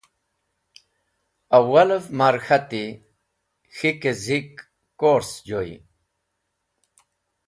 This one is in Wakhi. Awalev ma’r k̃hati, K̃hik-e zik kurs joy.